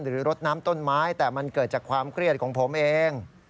รดน้ำต้นไม้แต่มันเกิดจากความเครียดของผมเอง